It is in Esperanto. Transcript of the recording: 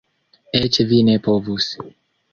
Eĉ vi ne povus!